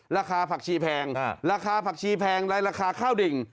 ราคาผักชีแพงราคาผักชีแพงและราคาข้าวดิ่ง